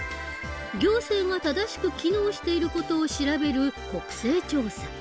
行政が正しく機能している事を調べる国政調査。